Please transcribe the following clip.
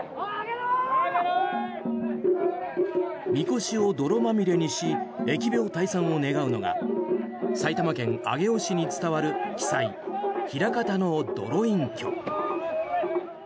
みこしを泥まみれにし疫病退散を願うのが埼玉県上尾市に伝わる奇祭平方のどろいんきょ。